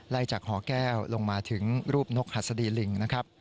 ไล่จากหอแก้วลงมาถึงรูปนกหัสดีลิง